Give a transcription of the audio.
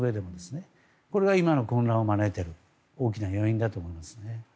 これが今の混乱を招いている大きな要因だと思いますね。